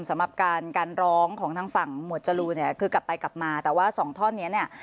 สำหรับการการร้องของทางฝั่งหมวดจรูเนี่ยคือกลับไปกลับมาแต่ว่าสองท่อนนี้เนี่ย